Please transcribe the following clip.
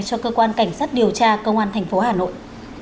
cho cơ quan cảnh sát điều tra công an tp hà nội